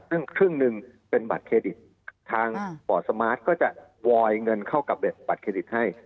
ซึ่งครึ่งหนึ่งเป็นบัตรเครดิตทางบอร์ดสมาร์ทก็จะวอยเงินเข้ากับบัตรเครดิตให้